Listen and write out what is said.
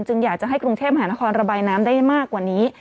อยากจะให้กรุงเทพหานครระบายน้ำได้มากกว่านี้